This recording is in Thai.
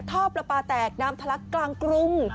ท่อปลาปลาแตกน้ำทะลักกลางกรุง